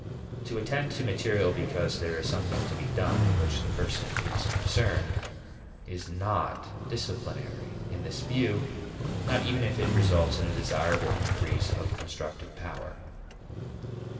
To attend to material because there is something to be done in which the person is concerned is not disciplinary in this view; not even if it results in a desirable increase of constructive power.